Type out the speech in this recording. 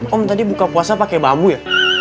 om tadi buka puasa pakai bambu ya